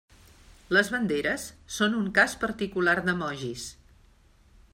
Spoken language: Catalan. Les banderes són un cas particular d'emojis.